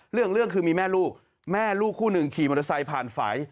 เรื่องคือมีแม่ลูกแม่ลูกคู่หนึ่งขี่มอเตอร์ไซค์ผ่านฝ่าย